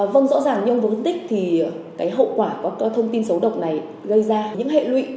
vâng rõ ràng như ông vừa phân tích thì cái hậu quả của thông tin xấu độc này gây ra những hệ lụy